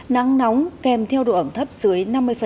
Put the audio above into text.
nắng nóng kèm theo độ ẩm thấp dưới năm mươi